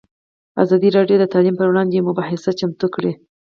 ازادي راډیو د تعلیم پر وړاندې یوه مباحثه چمتو کړې.